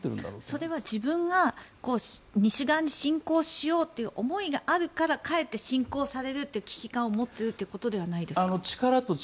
それは自分が西側に侵攻しようという思いがあるからかえって侵攻されるという危機感を持っているということではないですか。